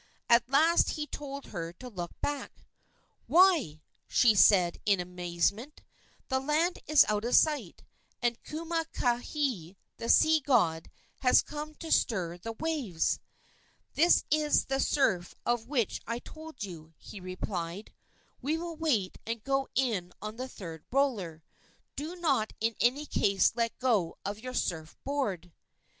At last he told her to look back. "Why," said she, in amazement, "the land is out of sight, and Kumukahi, the sea god, has come to stir the waves!" "This is the surf of which I told you," he replied; "we will wait and go in on the third roller. Do not in any case let go of your surf board."